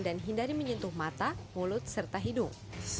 dan hindari menyentuh mata mulut serta hidung